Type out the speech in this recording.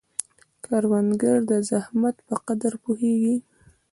کروندګر د زحمت په قدر پوهیږي